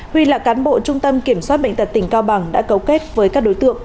huy là cán bộ trung tâm kiểm soát bệnh tật tỉnh cao bằng đã cấu kết với các đối tượng